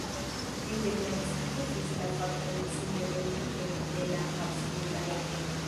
Tiu deklaro signifis la faktan sendependiĝon de la habsburga regno.